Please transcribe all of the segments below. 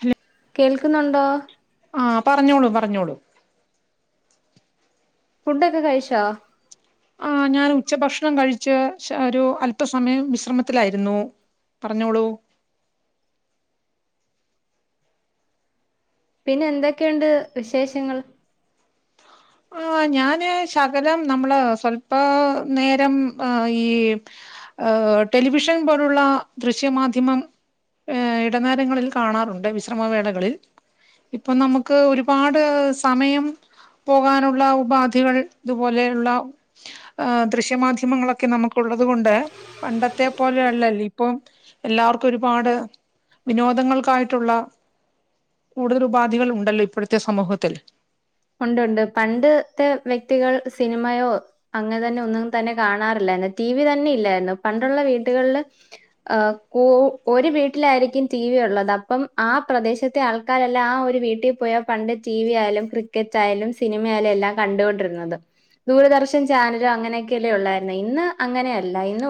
ഹ... കേൾക്കുന്നുണ്ടോ? ആഹാ..., പറഞ്ഞോളൂ, പറഞ്ഞോളൂ? ഫുഡ് ഒക്കെ കഴിച്ചോ? ആഹാ ഞാൻ ഉച്ചഭക്ഷണം- കഴിച്ച്ഒരു അല്പസമയം- വിശ്രമത്തിലായിരുന്നു. പറഞ്ഞോളൂ. പിന്നെ എന്തൊക്കെയുണ്ട്- വിശേഷങ്ങൾ? ആഹാ ഞാന് ശകലം, നമ്മള് സ്വല്പ നേരം ആഹാ ഈ- ടെലിവിഷൻ പോലുള്ള ദൃശ്യമാധ്യമം. ഏ ഇടനേരങ്ങളിൽ കാണാറുണ്ട് വിശ്രമവേളകളിൽ. ഇപ്പൊ നമുക്ക് ഒരുപാട് സമയം. പോകാനുള്ള ഉപാധികൾ ഇതുപോലെയുള്ള ദൃശ്യ. മാധ്യമങ്ങളൊക്കെ നമുക്ക് ഉുള്ളത്കൊണ്ട്. പണ്ടത്തെ പോലെല്ലല്ല ഇപ്പം എല്ലാവർക്കും ഒരുപാട് വിനോദങ്ങൾക്കായിട്ടുള്ള. കൂടുതൽ ഉപാധികൾ ഉണ്ടല്ലോ ഇപ്പോഴത്തെ സമൂഹത്തിൽ. ഉണ്ട്ണ്ട് പണ്ടത്തെ വ്യക്തികൾ സിനിമയോ. അങ്ങെ തന്നെ ഒന്നും തന്നെ കാണാറില്ലായിരുന്നു. ടി വി തന്നെ ഇല്ലായിരുന്നു. പണ്ടുള്ള വീടുകളില്. ആ ഒരു വീട്ടിലായിരിക്കും ടി വി ഉള്ളത് അപ്പം ആ പ്രദേശത്തെ ആൾ ക്കാലല്ല ആ ഒരു വീട്ടിൽ പോയ പണ്ട് ടി വിയയാലും. യാലും സിനിമയാലും എല്ലാം കണ്ടുകൊണ്ടിരുന്നത്. ദൂരദർശൻ ചാനലോ അങ്ങനെയൊക്കെയല്ലേ ഉള്ളായിരരുന്നു. ഇന്ന് അങ്ങനെയ അല്ല ഇന്ന്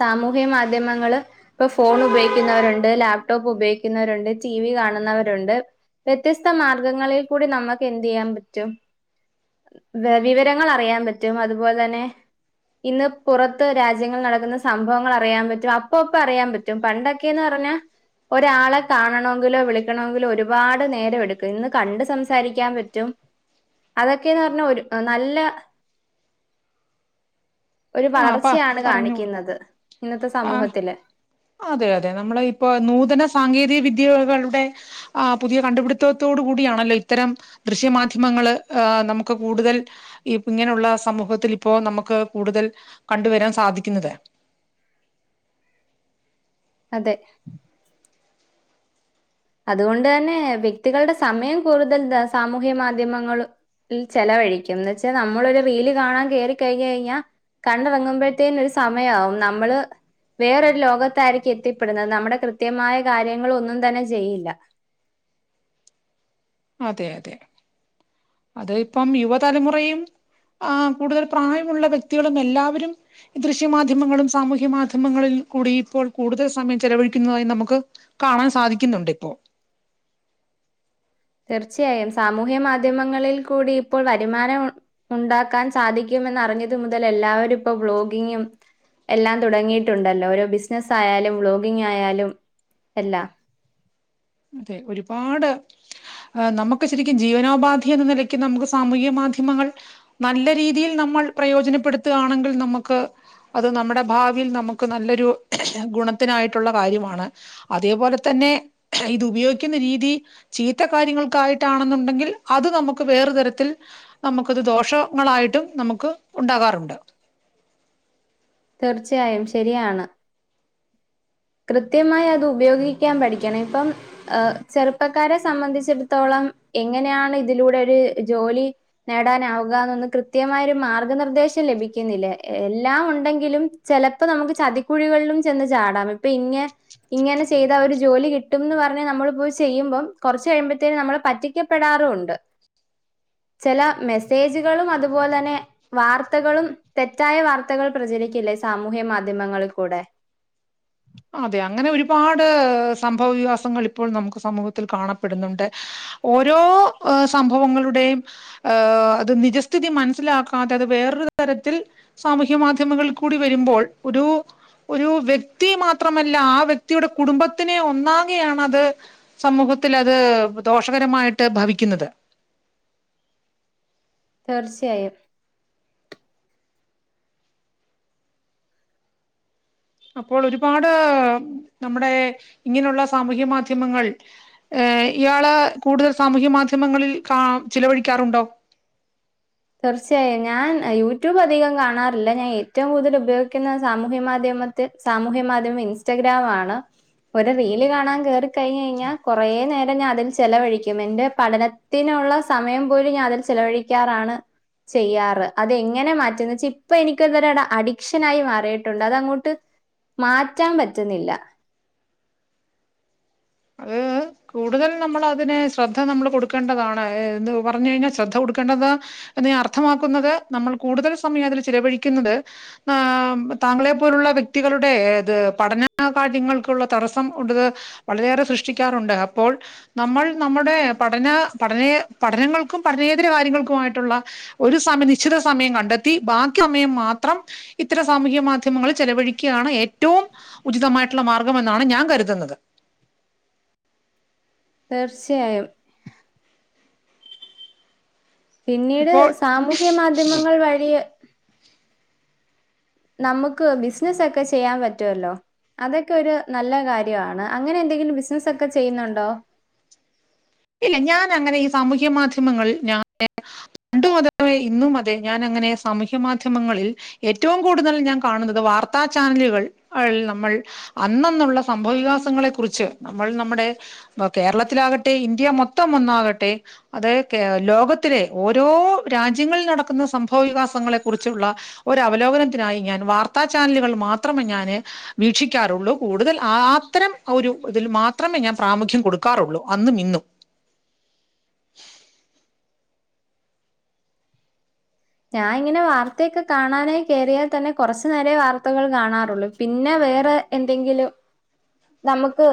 സാമൂഹ്യ മാധ്യമങ്ങള് ഇപ്പൊ ഫോൺ ഉപയോഗിക്കുന്നവരുണ്ട്. ലാപ്ടോപ്പ് ഉപയോഗിക്കുന്നവരുണ്ട്. ടി വി കാണുന്നവരുണ്ട്. വ്യത്യസ്ത മാർഗങ്ങളിൽ കൂടി നമുക്ക് എന്ത്യ്യാൻ പറ്റും. വെ വിവരങ്ങള് അറിയാൻ പറ്റും. അതുപോലെ തന്നെ. ഇന്ന് പുറത്ത് രാജ്യങ്ങളിൽ നടക്കുന്ന സംഭവങ്ങള് അറിയാൻ പറ്റും. അപ്പപ്പം അറിയാൻ പ റ്റും പണ്ടൊക്കേന്ന് പറഞ്ഞാ. ഒരാളെ കാണണവെങ്കിലോ വിളിക്കണവെങ്കിലോ ഒരുപാട് നേരമെടുക്കും. ഇന്ന് കണ്ട് സംസാ രിക്കാൻ പറ്റും. അതെക്കേന്ന് പറഞ്ഞാ, ഒരു നല്ല. ഒരു ആഹ് പ വളർച്ചേയാണ് പറഞ്ഞോളൂ കാണിക്കുന്നത്. ഇന്നത്തെ ആഹ് സമൂഹത്തില്. അതെ അതെ നമ്മളെ ഇപ്പൊ നൂതന സാങ്കേതിക വിദ്യയ്കകളുടെ. ആ് പുതിയ കണ്ടുപിടിത്തത്തോടു കൂടിയാണല്ലോ ഇത്തരം. ദൃശ്യമാധ്യമങ്ങള്, ഏഹ് നമ്മെക്ക് കൂടുതൽ. ഈ ഇങ്ങനെയൊള്ള സമൂഹത്തിൽ ഇപ്പോ നമ്മെക്ക് കൂടുതൽ കണ്ടുവെരാൻ സാധിക്കുന്നത്. അതെ അതുകൊണ്ട് ന്നെ വ്യക്തികളുടെ സമയം കൂടുതൽ ദ സാമൂഹ്യ മാധ്യമങ്ങള്. ഈ ചെലവഴിക്കും. എന്ന് വെച്ചാ നമ്മളൊരു റീല് കാണാൻ കേറി കഴിഞ്ഞ് കഴിഞ്ഞാ. കണ്ടിറങ്ങുമ്പഴത്തേന് ഒരു സമയാകും നമ്മെള്. വേറൊരു ലോകത്തായിരിക്കും എത്തിപ്പെടുന്നെ. നമ്മെടെ കൃത്യമായ കാര്യങ്ങളൊന്നും തന്നെ ചെയ്യില്ല. അതെ അതെ. അതുയിപ്പം യുവതലമുറയും. ആ് കൂടുതൽ പ്രായമുള്ള വ്യക്തികളും എല്ലാവരും. ദൃശ്യ മാധ്യമങ്ങളും, സാമൂഹ്യ മാധ്യമങ്ങളിൽ കൂടി ഇപ്പോൾ കൂടുതൽ സമയം ചെലവഴിക്കുന്നതായി നമ്മെക്ക്. കാണാൻ സാധിക്കുന്നുണ്ട് ഇപ്പോ. തീർച്ചയായും. സാമൂഹ്യ മാധ്യമങ്ങളിൽ കൂടി ഇപ്പോൾ വരുമാനം ഒ ഒണ്ടാക്കാൻ സാധിക്കുമെന്ന് അറിഞ്ഞത് മുതൽ എല്ലാരും ഇപ്പൊ വ്ലോഗിംഗും. എല്ലാം തുടങ്ങിയിട്ടുണ്ടല്ലോ. ഓരോ ബിസെനെസ്സ് ആയാലും വ്ലോഗിംഗായാലും എല്ലാം. അതെ ഒരുപാട്. ആ നമ്മെക്ക് ശരിക്കും ജീവനോപാധി എന്ന നിലയ്ക്ക്, നമ്മെക്ക് സാമൂഹ്യ മാധ്യമങ്ങൾ. നല്ല രീതിയിൽ നമ്മൾ പ്രയോജനപ്പെടുത്തുയാണെങ്കിൽ നമ്മെക്ക്. അത് നമ്മുടെ ഭാവിയിൽ നമ്മെക്ക് നല്ലൊരു ഗുണത്തിനായിട്ടൊള്ള കാര്യമാണ്. അതേപോലെ തന്നെ ഇത് ഉപയോഗിക്കുന്ന രീതി. ചീത്ത കാര്യങ്ങൾക്കായിട്ടാണെന്നുണ്ടെങ്കിൽ അത് നമുക്ക് വേറു തരത്തിൽ. നമ്മെക്കത് ദോഷങ്ങളായിട്ടും നമ്മെക്ക് ഉണ്ടാകാറുണ്ട്. തീർച്ചയായും ശെരിയാണ്. കൃത്യമായി അത് ഉപയോഗിക്കാൻ പഠിക്കണം. ഇപ്പം. ഏഹ് ചെറുപ്പക്കാരെ സംബന്ധിച്ചിടത്തോളം എങ്ങനെയാണ് ഇതിലൂടെ ഒരു ജോലി നേടാനാവുക എന്നൊന്ന് കൃത്യമായ ഒരു മാർഗനിർദ്ദേശം ലഭിക്കുന്നില്ലേ. എ എല്ലാം ഉണ്ടെങ്കിലും. ചെലപ്പം നമ്മെക്ക് ചതിക്കുഴികളിലും ചെന്ന് ചാടാം. ഇപ്പ ഇങ്ങെ ഇങ്ങനെ ചെയ്താ ഒരു ജോലി കിട്ടും ന്ന് പറഞ്ഞ് നമ്മള് പോയി ചെയ്യുമ്പം, കൊറെച്ച് കഴിയുമ്പഴത്തേന് നമ്മെള് പറ്റിക്കപ്പെടാറുണ്ട്. ചെല മെസ്സേജുകളും അതുപോലെന്നെ. വാർത്തകളും, തെറ്റായ വാർത്തകൾ പ്രചരിക്കില്ലേ സാമൂഹ്യ മാധ്യമങ്ങളിൽ കൂടെ. അതെ അങ്ങനെ ഒരുപാട് സംഭവ വിയകാസങ്ങൾ ഇപ്പോൾ നമുക്ക് സമൂഹത്തിൽ കാണപ്പെടുന്നുണ്ട്. ഓരോ ഏഹ് സംഭവങ്ങളുടെയും ഏഹ് അത് നിജസ്ഥിതി മനസ്സിലാക്കാതത് വേറൊരു തരത്തിൽ. സാമൂഹ്യ മാധ്യമങ്ങളിൽ കൂടി വെരുമ്പോൾ ഒരു ഒരു വ്യക്തി മാ ത്രമല്ല ആ വ്യക്തിയുടെ കുടുംബത്തിനെ ഒന്നാകെയാണത്. സമൂഹത്തിൽ അത് ദോഷകരമായിട്ട് ഭവിക്കുന്നത്. തീർച്ചയായും. അപ്പോൾ ഒരുപാട് നമ്മെടെ ഇങ്ങനെയുള്ള സാമൂഹ്യ മാധ്യമങ്ങൾ. ഏഹ് ഇയാള് കൂടുതൽ സാമൂഹ്യ മാധ്യമങ്ങളിൽ കാ ചിലവഴിക്കാറുണ്ടോ? തീർച്ചയായും. ഞാൻ യൂട്യൂബ് അധികം കാണാറില്ല. ഞാൻ ഏറ്റവും കൂടുതൽ ഉപയോഗിക്കുന്ന സാമൂഹ്യ മാധ്യമ ത്തെ സാമൂഹ്യ മാധ്യമം ഇൻസ്റ്റഗ്രമാണ്. ഒരു റീല് കാണാൻ കേറി. കഴിഞ്ഞ് കഴിഞ്ഞാ കൊറെ നേരം. ഞാൻ അതിൽ ചെലവഴിക്കും. എന്റെ പഠനത്തിനൊള്ള സമയം പോലും ഞാ അതിൽ ചെലവഴിക്കാറാണ്. ചെയ്യാറ് അതെങ്ങനെ മാറ്റന്ന് വെച്ച ഇപ്പൊ എനിക്കൊന്തര അഡിക്ഷൻ ആയി മാറിയിട്ടുണ്ട് അത അങ്ങോട്ട് മാറ്റാൻ പറ്റ്ന്നില്ല അത് കൂടുതൽ നമ്മൾ അതിന് ശ്രദ്ധ നമ്മൾ കൊടുക്കേണ്ടതാണ് എന്ത് പറഞ്ഞു കഴിഞ്ഞാൽ ശ്രദ്ധ കൊടുക്കേണ്ടതാ എന്ന് ഞാൻ അർത്ഥമാക്കുന്നത് നമ്മൾ കൂടുതൽ സമയം അതിൽ ചിലവഴിക്കുന്നത് താങ്കളെ പോലുള്ള വ്യക്തികളുടെഏത് പഠനകാര്യങ്ങൾക്കുള്ള തടസ്സം ഉടത് വളരെയേറെ സൃഷ്ടിക്കാറുണ്ട് അപ്പോൾ നമ്മൾ നമ്മുടെ പഠന പഠനേ പഠനങ്ങൾക്കും പഠനേതര കാര്യങ്ങൾക്കുമായിട്ടുള്ള ഒരു സമയം നിശ്ചിത സമയം കണ്ടെത്തി ബാക്കി സമയം മാത്രം ഇത്തര സാമൂഹ്യ മാധ്യമങ്ങൾ ചെലവഴിക്കാണ് ഏറ്റവും ഉചിതമായിട്ടുള്ള മാർഗ്ഗം എന്നാണ് ഞാൻ കരുതുന്നത് തീർച്ചയായും പിന്നീട് ഇപ്പോൾ സാമൂഹ്യ മാധ്യമങ്ങൾ വഴി നമ്മുക്ക് ബിസിനസ്സക്കെ ചെയ്യാൻ പറ്റുമല്ലോ അതൊക്കെ ഒരു നല്ല കാര്യമാണ് അങ്ങനെ എന്തെങ്കിലും ബിസിനസ്സ ഒക്കെ ചെയ്യുന്നുണ്ടോ ഇല്ല ഞാൻ അങ്ങനെ ഈ സാമൂഹ്യ മാധ്യമങ്ങളിൽ ഞാന് പണ്ടുമതമേ ഇന്നും അതെ ഞാൻ അങ്ങനെ സാമൂഹ്യ മാധ്യമങ്ങളിൽ ഏറ്റവും കൂടുതൽ ഞാൻ കാണുന്നത് വാർത്താ ചാനലുകൾ നമ്മൾ അന്നന്നുള്ള സംഭവ വികാസങ്ങളെ കുറിച്ച് നമ്മൾ നമ്മുടെ അഹ് കേരളത്തിലാകട്ടെ ഇൻ - ന്ത്യ മൊത്തം ഒന്നാകട്ടെ അതായ ലോകത്തിലെ ഓരോ രാജ്യങ്ങളിൽ നടക്കുന്ന സംഭവ വികാസങ്ങളെ കുറിച്ചുള്ള ഒര അവലോകനത്തിനായി ഞാൻ വാർത്താ ചാനലുകൾ മാത്രമേ ഞാന് വീക്ഷിക്കാറുള്ളൂ കൂടുതൽ ആ ത്തരം ഒരു ഇതിൽ മാത്രമേ ഞാൻ പ്രാമുഖ്യം കൊടുക്കാറുള്ളൂ അന്നും ഇന്നും ഞാൻ ഇങ്ങനെ വാർത്തയൊക്കെ കാണാനേ കയറിയാൽ തന്നെ കൊറച്ചു നേരേ വാർത്തകൾ കാണാറൊള്ളു പിന്നെ വേറെ എന്തെങ്കിലു നമുക്ക്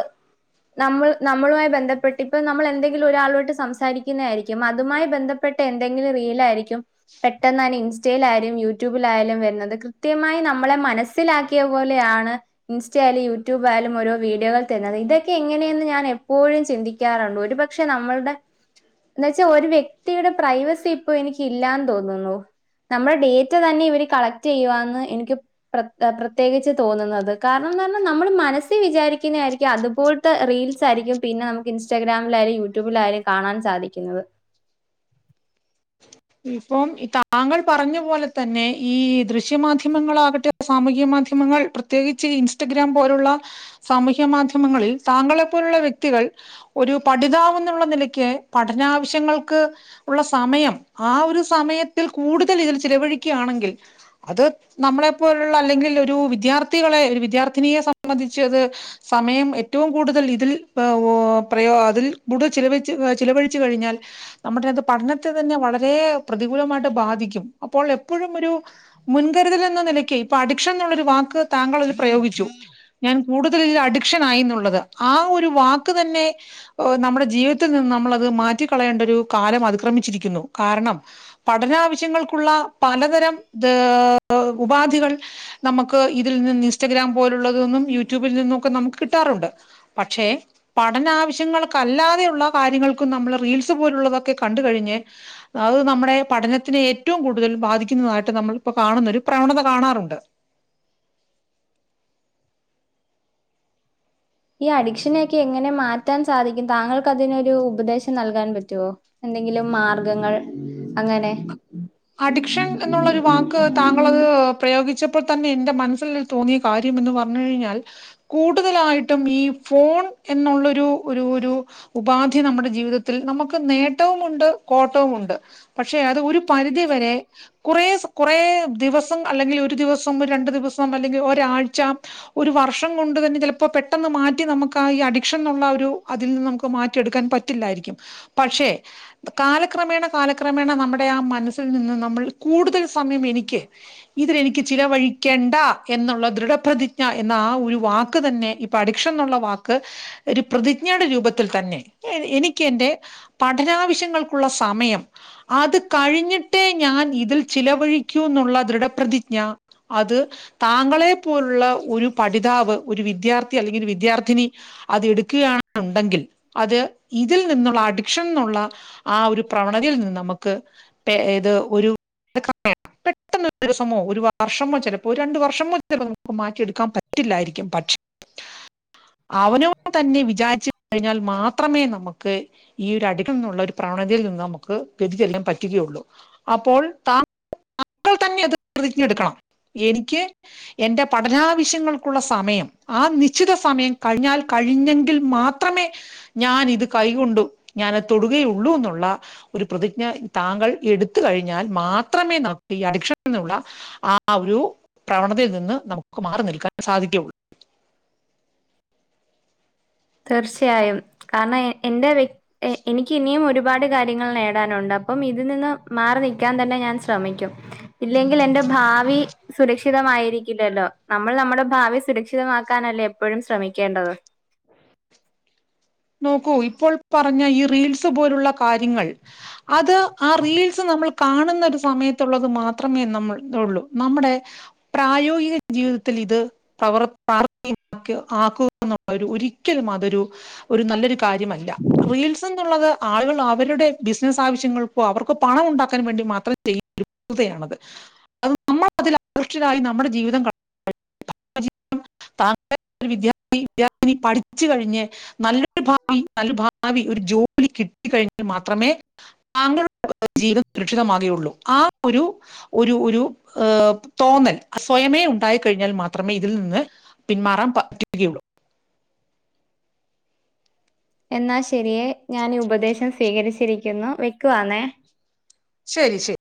നമ്മൾ നമ്മളുമായി ബന്ധപ്പെട്ട് ഇപ്പം നമ്മൾ എന്തെങ്കിലും ഒരാളോട്ട് സംസാരിക്ക്ന്ന ആയിരിക്കും അതുമായി ബന്ധ പ്പെട്ട എന്തെങ്കിലും റീലാ ആയിരിക്കും പെട്ടെന്ന് എന്നിം ഇൻസ്റ്റയ്ലായ്ലും യൂട്യൂബിലായാലും വരുന്നത് കൃത്യമായി നമ്മളെ മനസ്സിലാക്കിയ പോലെയാണ് ഇൻസ്റ്റ ആയാലും യൂട്യൂബ് ആ യാലും ഓരോ വീഡിയോകൾ തര്ന്നത് ഇതൊക്കെ എങ്ങനേന്ന് ഞാൻ എപ്പോഴും ചിന്തിക്ക് ക്കാറ്ണ്ട് ഒരുപക്ഷെ നമ്മൾടെ ന്നെ വെച്ചാ ഒരു വ്യക്തിയുടെ പ്രൈവസി ഇപ്പൊ എനിക്ക് ഇല്ലാന്ന് തോന്നുന്നു നമ്മടെ ഡേറ്റ തന്നെ ഇവര് കളക്ട് ചെയ്യുവാന്ന് എനിക്ക് പ്ര പ്രത്യേകിച്ച് തോന്നുന്നത് കാരണംന്ന് പറഞ്ഞാ നമ്മള് മനസ്സി വിചാരിക്കുന്ന ആയിരിക്കും അതുപൂൽ ത്തെ റീൽസാആയിരിക്കും പിന്നെ നമുക്ക് ഇൻസ്റ്റാഗ്രാമിലായാലും യൂട്യൂബിലായാലും കാണാൻ സാധിക്കുന്നത് ഇപ്പം താങ്കൾ പറഞ്ഞ പോലെ തന്നെ ഈ ദൃശ്യമാധ്യമങ്ങളാകട്ടെ സാമൂഹ്യ മാധ്യമങ്ങൾ പ്രത്യേകിച്ച് ഇൻസ്റ്റഗ്രാം പോലുള്ള സാമൂഹ്യ മാധ്യമങ്ങളിൽ താങ്കളെപ്പോലുള്ള വ്യക്തികൾ ഒരു പഠിതാവെന്നുള്ള നിലക്ക് പഠനാവശ്യങ്ങൾക്ക് ഉള്ള സമയം ആ ഒരു സമയത്തിൽ കൂടുതൽ ഇതിൽ ചിലവഴിക്ക്യാണെങ്കിൽ അത് നമ്മളെ പോലുള്ള അല്ലെങ്കിൽ ഒരു വിദ്യാർത്ഥികളെ ഒരു വിദ്യാർത്ഥിനിയെ സംബന്ധിച്ച് അത് സമയം ഏറ്റവും കൂടുതൽ ഇതിൽ പ്രയോ അതിൽ കൂടുതൽ ചിലവഴിച്ച് ചിലവഴിച്ചു കഴിഞ്ഞാൽ നമ്മടേത് പഠനത്തെ തന്നെ വളരെ പ്രതികൂലമായിട്ട് ബാധിക്കും അപ്പോൾ എപ്പോഴും ഒരു മുൻകരുതൽ എന്ന നിലയ്ക്ക് ഇപ്പൊ അഡിക്ഷൻ എന്നുള്ളൊരു വാക്ക് താങ്കൾ അതിൽ പ്രയോഗിച്ചു ഞാൻ കൂടുതൽ ഇതിൽ അഡിക്ഷൻ ആയി ന്നുള്ളത് ആ ഒരു വാക്ക് തന്നെ നമ്മുടെ ജീവിതത്തിൽ നിന്ന് നമ്മളത് മാറ്റിക്കളയേണ്ട ഒരു കാലം അതിക്രമിച്ചിരിക്കുന്നു കാരണം പഠനാവശ്യങ്ങൾക്കുള്ള പലതരം ത് ഉപാധികൾ നമുക്ക് ഇതിൽ നിന്ന് ഇൻസ്റ്റഗ്രാം പോലുള്ളത് നിന്നും യൂട്യൂബിൽ നിന്നൊക്കെ നമുക്ക് കിട്ടാറുണ്ട് പക്ഷെ പഠന ആാശ്യങ്ങൾക്കല്ലാതെയുള്ള കാര്യങ്ങൾക്കും നമ്മള് റീൽസ് പോലുള്ളതൊക്കെ കണ്ട്കഴിഞ്ഞ് അഅ് നമ്മടെ പഠനത്തിനെ ഏറ്റവും കൂടുതൽ ബാധിക്കുന്നതായിട്ട് നമ്മളിപ്പോ കാണുന്ന ഒരു പ്രവണത കാണാറുണ്ട് ഈ അഡിക്ഷനൊക്കെ എങ്ങനെ മാറ്റാൻ സാധിക്കും താങ്കൾക്കതിനൊരു ഉപദേശം നൽകാൻ പറ്റുവോ എന്തെങ്കിലും മാർഗങ്ങൾ അങ്ങനെ അഡിക്ഷൻ എന്നുള്ളരു വാക്ക് താങ്കളത് പ്രയോഗിച്ചപ്പോൾ തന്നെ എന്റെ മനസ്സിൽ തോന്നിയ കാര്യം എന്ന് പറഞ്ഞ് കഴിഞ്ഞാൽ കൂടുതലായിട്ടും ഈ ഫോൺ എന്നുള്ളൊരു ഒരു ഒരു ഉപാധി നമ്മടെ ജീവിതത്തിൽ നമുക്ക് നേട്ടവും ഉണ്ട് കോട്ടവും ഉണ്ട് പക്ഷെ അത് ഒരു പരിധിവരെ കുറേ കുറേ ദിവസം അല്ലെങ്കിൽ ഒരു ദിവസം രണ്ടു ദിവസം അല്ലെങ്കിൽ ഒരാഴ്ച ഒരു വർഷം കൊണ്ട് തന്നെ ചെലപ്പോ പെട്ടെന്ന് മാറ്റി നമ്മക്ക് ആ ഈ അഡിക്ഷൻ ന്നുള്ളാ ഒരു അതിൽ നിന്ന് നമുക്ക് മാറ്റിയെടുക്കാൻ പറ്റ് റ്റില്ലായിരിക്കും പക്ഷേ കാലക്രമേണ കാലക്രമേണ നമ്മുടെ ആ മറ്റ് മനസ്സിൽ നിന്ന് നമ്മൾ കൂടുതൽ സമയം എനിക്ക് ഇതിലെനിക്ക് ചിലവഴിക്കേണ്ട എന്നുള്ള ദൃഢപ്രതി ഞ എന്ന ആ ഒരു വാക്ക് തന്നെ ഇപ്പൊ അഡിക്ഷൻ ന്നുള്ള വാക്ക് ഒരു പ്രതിജ്ഞയുടെ രൂപത്തിൽ തന്നെ എനിക്ക് എന്റെ പഠനാവശ്യങ്ങൾക്കുള്ള സമയം അത് കഴിഞ്ഞ് ട്ടെ ഞാൻ ഇതിൽ ചിലവഴിക്കൂന്നുള്ള തൃട പ്രതിജ്ഞ അത് താങ്കളെ പോലുള്ള ഒരു പഠിതാവ് ഒരു വിദ്യാർത്ഥി അല്ലെങ്കിൽ ഒരു വിദ്യാർത്ഥിനി അത് എടുക്കുകയാണുണ്ടെങ്കിൽ അത് ഇതിൽ നിന്നുള്ള അഡിക്ഷൻന്നുള്ള ആ ഒരു പ്രവണതയിൽ നിന്ന് അമക്ക് പ്പേ ഏത് ഒരു- [unintelligible] പെട്ടെന്ന് ഒരു ദിവസമോ ഒരു വർഷമോ ചെലപ് പോ രണ്ടു വർഷമോ ചെലർക്ക് മാറ്റിയെടുക്കാൻ പറ്റില്ലായിരിക്കും, പക്ഷെ അവനവൻ തന്നെ വിചാരിച്ച് കഴിഞ്ഞാൽ മാത്രമേ നമുക്ക് ഈ ഒരു [unintelligible] നിന്നുള്ള ഒരു പ്രവണയിൽ നിന്ന് നമുക്ക് വ്യതിചലിക്കാൻ പറ്റു റ്റുകയൊള്ളൂ, അപ്പോൾ താങ്കൾ തന്നെ അത് പ്രതിജ്ഞയെടുക്കണം, എനിക്ക് എന്റെ പഠനാവശ്യങ്ങൾക്കുള്ള സമയം ആ നിശ്ചിത സമയം കഴിഞ്ഞാൽ കഴിഞ്ഞെങ്കിൽ മാത് ത്രമേ ഞാൻ ഇത് കൈകൊണ്ടു ഞാനത് തൊടുകയുള്ളൂ എന്നുള്ള ഒരു പ്രതിജ്ഞ താങ്കൾ എടുത്ത് കഴിഞ്ഞാൽ മാത്രമേ നമ്മുക്ക് ഈ അഡിക്ഷനിൽ ന്നുള്ള ആ ആ ഒരു പ്രവണതയിൽ നിന്ന് നമുക്ക് മാറി നിൽക്കാൻ സാധിക്കുകയുള്ളൂ. തീർച്ചയായും, കാരണം എന്റെ വ്യ എ എനിക്ക് ഇനിയും ഒരുപാട് കാര്യങ്ങൾ നേടാനൊണ്ട്, അപ്പം ഇതി നിന്ന് മാറി നിക്കാൻ തന്നെ ഞാൻ ശ്രമിക്കും. ഇല്ലെങ്കിലെന്റെ ഭാവി സുരക്ഷിതമായിരിക്കില്ലല്ലോ? നമ്മൾ നമ്മുടെ ഭാവി സുരക്ഷിതമാക്കാനല്ലേ എപ്പോഴും ശ്രമിക്കേണ്ടത്. നോക്കൂ ഇപ്പോൾ പറഞ്ഞ ഈ റീൽസ് പോലുള്ള കാര്യങ്ങൾ അത് ആ റീൽസ് നമ്മൾ കാണുന്ന ഒരു സമയത്തുള്ളത് മാത്രമേ നമ്മൾ ഇത് ഒള്ളൂ, നമ്മുടെ പ്രായോഗിക ജീവിതത്തിലിത് പ്രവർ പ്രാവർത്തികം ആക്കുക എന്നുള്ള ഒരു ഒരിക്കലും അതൊരു ഒരു നല്ലൊരു കാര്യമല്ല, റീൽസ് എന്നുള്ളത് ആളുകൾ അവരുടെ ബിസിനസ് ആവശ്യങ്ങൾക്കും അവർക്ക് പണം ഉണ്ടാക്കാൻ വേണ്ടി മാത്ര ചെയ്യു [unintelligible] ആണത്, അത് നമ്മൾ അതിലാകൃഷ്ടരായി നമ്മുടെ ജീവിതം ക [unintelligible] ഒരു വിദ്യാർത്ഥി വിദ്യർത്ഥിനി പഠിച്ചു കഴിഞ്ഞ് നല്ലൊരു ഭാവി നല്ല ഭാവി ഒരു ജോലി കിട്ടി കഴിഞ്ഞാ മാത്രമേ താങ്കളുടെ ജീവിതം സുരക്ഷിതമാകയുള്ളൂ, ആ ഒരു ഒരു ഒരു ഏഹ് തോന്നൽ സ്വയമേ ഉണ്ടായി കഴിഞ്ഞാൽ മാത്രമേ ഇതിൽ നിന്ന് പിന്മാറാൻ പറ്റുകയുള്ളൂ. എന്നാ ശരിയേ, ഞാൻ ഉപദേശം സ്വീകരിച്ചിരിക്കുന്നു, വയ്ക്കുവാന്നേ. ശരി ശരി.